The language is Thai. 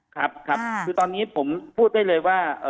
ครับครับคือตอนนี้ผมพูดได้เลยว่า